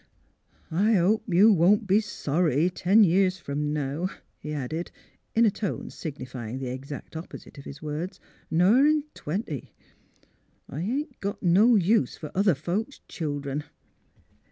'^ I hope you won't be sorry ten years from now," he added, in a tone signifying the exact opposite of his words; " ner in twenty. I ain't got no use for other folks' children."